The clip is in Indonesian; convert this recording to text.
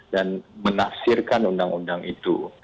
dan menafsirkan undang undang itu